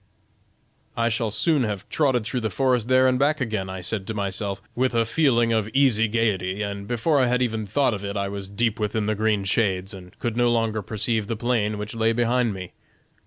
'I shall soon have trotted through the forest there and back again,' I said to myself, with a feeling of easy gayety, and before I had even thought of it I was deep within the green shades, and could no longer perceive the plain which lay behind me.